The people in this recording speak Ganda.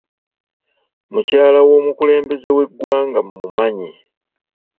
Mukyala w'omukulembeze w'eggwanga mmumanyi